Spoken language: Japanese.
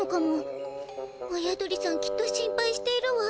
親鳥さんきっと心配しているわ。